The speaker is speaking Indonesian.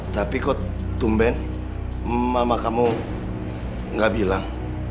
tapi kok tumben mama kamu gak bilang